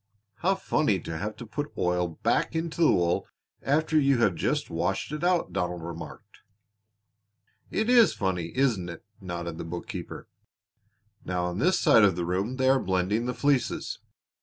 "How funny to have to put oil back into the wool after you have just washed it out!" Donald remarked. "It is funny, isn't it?" nodded the bookkeeper. "Now on this side of the room they are blending the fleeces.